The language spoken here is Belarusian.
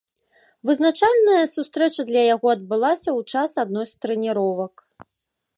Вызначальная сустрэча для яго адбылася ў час адной з трэніровак.